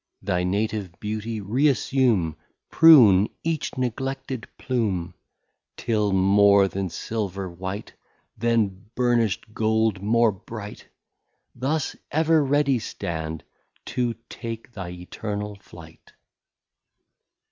Thy native Beauty re assume, Prune each neglected Plume, Till more than Silver white, Then burnisht Gold more bright, Thus ever ready stand to take thy Eternal Flight.